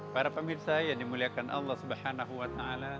para pemirsa yang dimuliakan allah swt